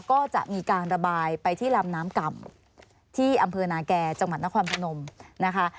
ก็จะมีการระบายไปที่ลำน้ำก่ำที่อำเภอนาแก่จังหวัดนครพนมนะคะ